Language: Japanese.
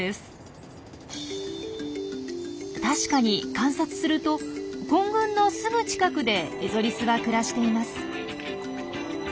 確かに観察すると混群のすぐ近くでエゾリスは暮らしています。